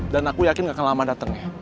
dan aku yakin gak akan lama dateng ya